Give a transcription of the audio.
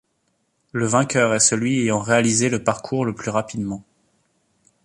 Le vainqueur est celui ayant réalisé le parcours le plus rapidement.